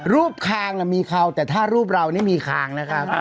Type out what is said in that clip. คางมีเขาแต่ถ้ารูปเรานี่มีคางนะครับ